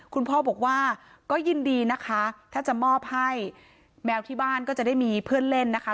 คุณพ่อบอกว่าก็ยินดีนะคะถ้าจะมอบให้แมวที่บ้านก็จะได้มีเพื่อนเล่นนะคะ